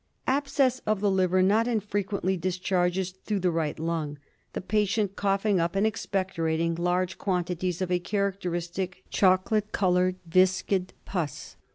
Abscess of the liver not infrequently discharges through the right lung, the patient coughing up and expectorating large quantities of a characteristic choco late coloured, viscid pus.